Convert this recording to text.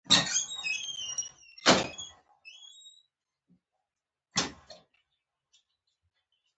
دغه پالیسي لوی زیانونه هم لري.